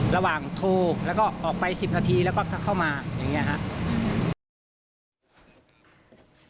ระหว่างโทรแล้วก็ออกไป๑๐นาทีแล้วก็เข้ามาอย่างนี้ครับ